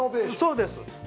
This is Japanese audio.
そうです。